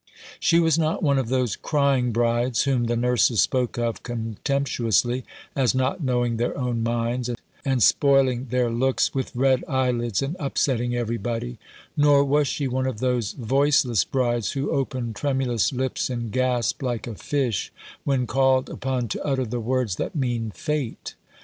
She was not one of those crying brides whom the nurses spoke of contemptuously, as not knowing their own minds, and spoiling their looks with red eyelids, and upsetting everybod) , Nor was she one of those voiceless brides who open tremulous lips and gasp like a fish when called upon to utter the words that mean fate.